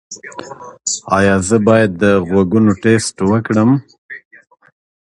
ایا زه باید د غوږونو ټسټ وکړم؟